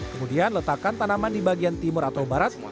kemudian letakkan tanaman di bagian timur atau barat